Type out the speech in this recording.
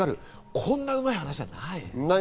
そんなうまい話はない。